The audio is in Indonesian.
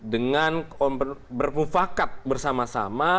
dengan berpufakat bersama sama